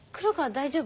大丈夫？